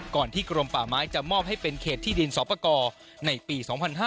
กรมที่กรมป่าไม้จะมอบให้เป็นเขตที่ดินสอปกรในปี๒๕๕๙